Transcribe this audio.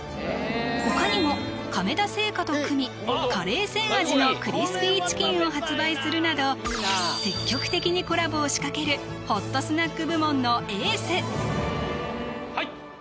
他にも亀田製菓と組みカレーせん味のクリスピーチキンを発売するなど積極的にコラボを仕掛けるホットスナック部門のエースはい！